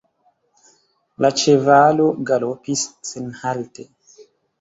La ĉevalo galopis senhalte.